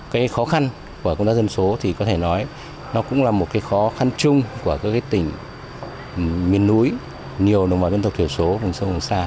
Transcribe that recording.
cái khó khăn của công tác dân số thì có thể nói nó cũng là một cái khó khăn chung của các tỉnh miền núi nhiều nông bào dân tộc thiểu số dân sông xa